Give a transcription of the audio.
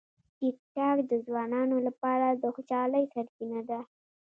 ټیکټاک د ځوانانو لپاره د خوشالۍ سرچینه ده.